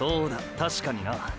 確かにな。